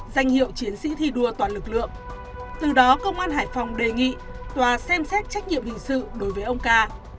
danh hiệu chiến sĩ thi đua toàn lực lượng từ đó công an hải phòng đề nghị tòa xem xét trách nhiệm hình sự đối với ông ca